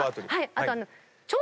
あと。